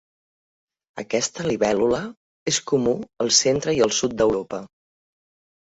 Aquesta libèl·lula és comú al centre i al sud d'Europa.